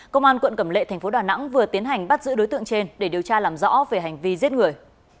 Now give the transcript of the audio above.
công an quận cẩm lệ thành phố đà nẵng vừa tiến hành bắt giữ đối tượng trên để điều tra làm rõ về hành vi giết người